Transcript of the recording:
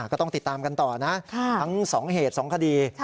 ก็ต้องติดตามกันต่อนะทั้ง๒เหตุ๒คดี